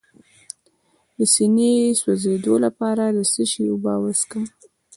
د سینې د سوځیدو لپاره د څه شي اوبه وڅښم؟